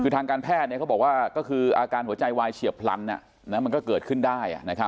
ทางการแพทย์เขาบอกว่าการหัวใจวัยเชียบพลันก็เกิดขึ้นได้